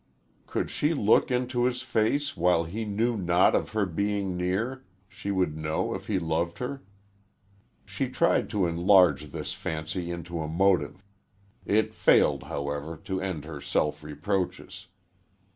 Could she look into his face while he knew not of her being near she would know if he loved her. She tried to enlarge this fancy into a motive. It failed, however, to end her self reproaches.